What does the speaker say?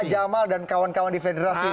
pak jamal dan kawan kawan di federasi sepak bola